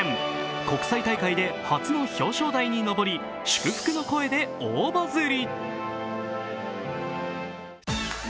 国際大会で初の表彰台に上り、祝福の声で大バズり。